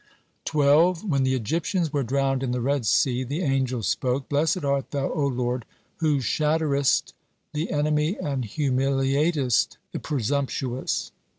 12. When the Egyptians were drowned in the Red Sea, the angels spoke: "Blessed art Thou, O Lord, who shatterest the enemy and humiliatest the presumptuous."